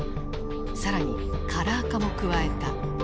更にカラー化も加えた。